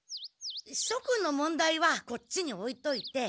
しょくんの問題はこっちにおいといて。